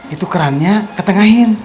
itu kerannya ketengahin